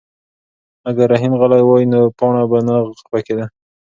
اگر رحیم غلی وای نو پاڼه به نه خفه کېده.